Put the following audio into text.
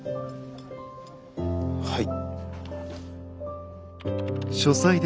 はい。